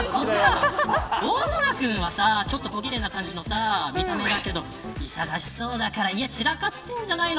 大空君はちょっとこぎれいな感じの見た目だけど忙しそうだから部屋、散らかってんじゃないの。